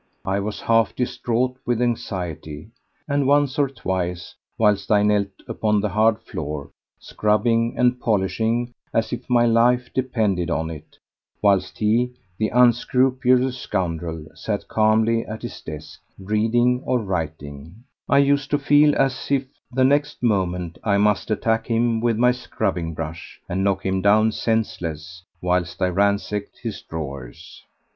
I was half distraught with anxiety, and once or twice, whilst I knelt upon the hard floor, scrubbing and polishing as if my life depended on it, whilst he—the unscrupulous scoundrel—sat calmly at his desk, reading or writing, I used to feel as if the next moment I must attack him with my scrubbing brush and knock him down senseless whilst I ransacked his drawers.